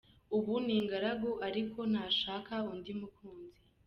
Ubu ni ingaragu ariko ntashaka undi mukunzi.